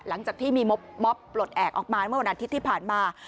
หลังจากที่มีม็อบปลดแอบออกมาเมื่อวันอาทิตย์ที่ผ่านมา